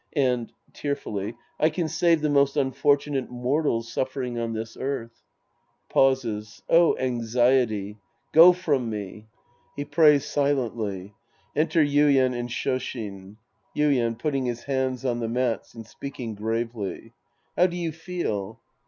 And {fearfully) I can save the most unfortu nate mortals suffering on this earth. {Pauses!) Oh, anxiety ! Go from me ! {He prays silently. Enter YuiEN and ShOshin.) Yuien {putting his hands on the mats and speaking gravely). How do you feel